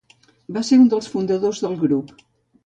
Va ser un dels fundadors del grup.